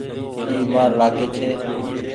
اي مآر لآگي ڇي ۔